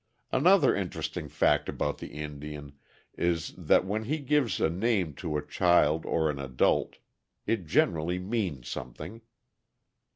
Another interesting fact about the Indian is that when he gives a name to a child or an adult, it generally means something.